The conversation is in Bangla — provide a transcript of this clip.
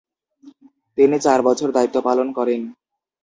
তিনি চার বছর দায়িত্ব পালন করেন।